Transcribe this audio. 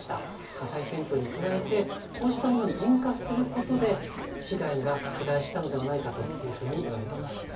火災旋風に加えてこうしたものに引火することで被害が拡大したのではないかというふうに言われています。